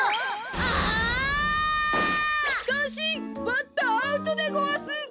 バッターアウトでごわす！